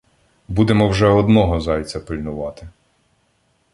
Будемо вже одного зайця пильнувати.